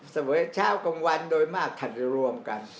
เวอยเช้ากลางวันโดยมากขัดรวมกัน